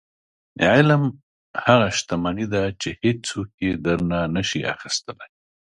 • علم هغه شتمني ده چې هیڅوک یې درنه نشي اخیستلی.